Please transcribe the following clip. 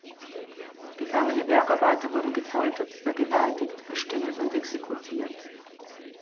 Gefangene Bergarbeiter wurden gefoltert, vergewaltigt, verstümmelt und exekutiert.